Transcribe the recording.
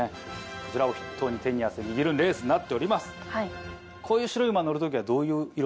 こちらを筆頭に手に汗にぎるレースとなっております